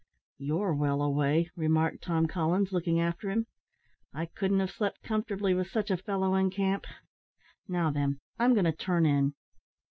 "You're well away," remarked Tom Collins, looking after him; "I couldn't have slept comfortably with such a fellow in camp. Now, then, I'm going to turn in."